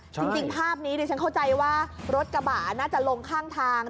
จริงภาพนี้ดิฉันเข้าใจว่ารถกระบะน่าจะลงข้างทาง